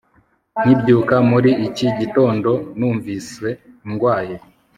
Nkibyuka muri iki gitondo numvise ndwaye